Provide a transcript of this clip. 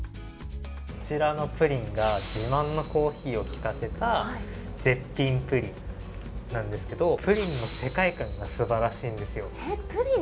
こちらのプリンが自慢のコーヒーをきかせた絶品プリンなんですけどプリンの世界観がすばらしいんですよ。